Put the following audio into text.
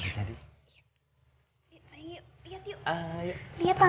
lihat tangan dede yuk